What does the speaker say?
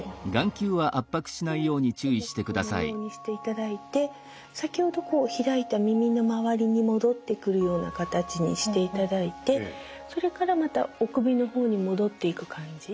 ここもこのようにしていただいて先ほど開いた耳の周りに戻ってくるような形にしていただいてそれからまたお首の方に戻っていく感じ